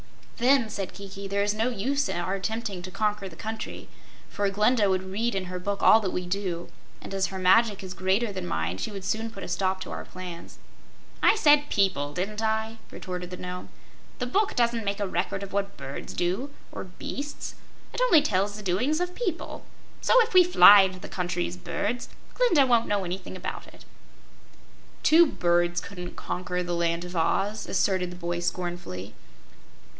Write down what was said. "Then," said Kiki, "there is no use our attempting to conquer the country, for Glinda would read in her book all that we do, and as her magic is greater than mine, she would soon put a stop to our plans." "I said 'people,' didn't I?" retorted the Nome. "The book doesn't make a record of what birds do, or beasts. It only tells the doings of people. So, if we fly into the country as birds, Glinda won't know anything about it." "Two birds couldn't conquer the Land of Oz," asserted the boy, scornfully.